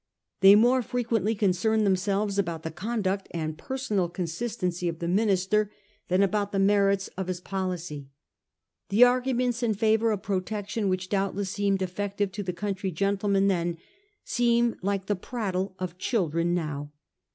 They more frequently concerned themselves about the conduct and personal consistency of the minister than about the merits of his policy. The arguments in favour of protection, which doubtless seemed effective to the country gen tlemen then, seem like the prattle of children now.